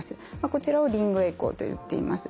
こちらをリングエコーといっています。